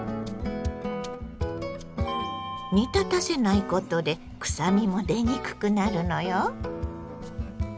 煮立たせないことでくさみも出にくくなるのよ。